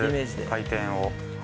回転を。